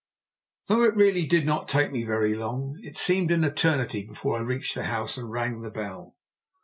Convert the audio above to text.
Though it really did not take me very long, it seemed an eternity before I reached the house and rang the bell.